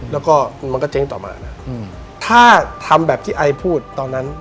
แล้วก็มันก็เจ๊งต่อมานะถ้าทำแบบที่ไอพูดตอนนั้น